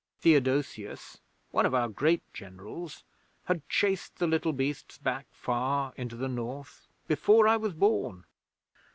Theodosius, one of our great Generals, had chased the little beasts back far into the North before I was born.